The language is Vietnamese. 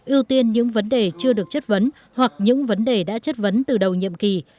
ưu tiên những vấn đề chưa được chất vấn hoặc những vấn đề đã chất vấn từ đầu nhiệm kỳ